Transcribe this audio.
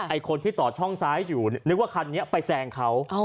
คนที่ต่อช่องซ้ายอยู่นึกว่าคันนี้ไปแซงเขา